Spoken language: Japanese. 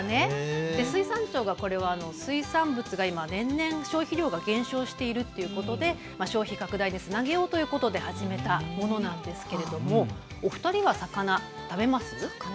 水産庁がこれは水産物が年々、消費量が減少しているということで消費拡大につなげようということで始めたものなんですけれどもお二人は魚を食べますか。